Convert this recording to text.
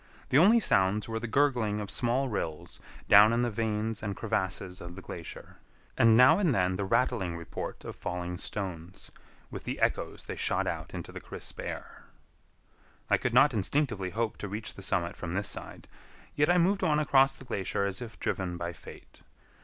The only sounds were the gurgling of small rills down in the veins and crevasses of the glacier, and now and then the rattling report of falling stones, with the echoes they shot out into the crisp air. I could not distinctly hope to reach the summit from this side, yet I moved on across the glacier as if driven by fate.